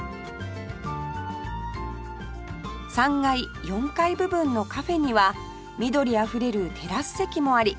３階４階部分のカフェには緑あふれるテラス席もあり